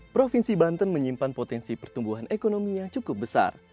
provinsi banten menyimpan potensi pertumbuhan ekonomi yang cukup besar